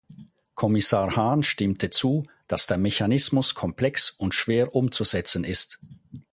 Kommissar Hahn stimmte zu, dass der Mechanismus komplex und schwer umzusetzen ist.